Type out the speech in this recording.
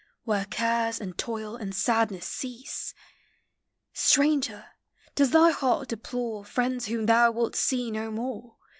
Where cares and (oil and sadness cease! Stranger, does thy hearl deplore Friends whom thou wilt see no more?